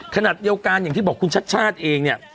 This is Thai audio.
ขนาดเดียวกันอย่างที่บอกคุณชัดชาติเองเนี่ย